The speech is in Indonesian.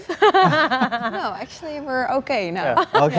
tidak sebenarnya kita sudah baik